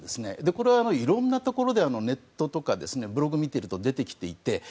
これはいろんなところでネットとかブログを見てると出てきていて。